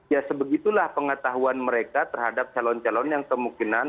ya sebegitulah pengetahuan mereka terhadap calon calon yang kemungkinan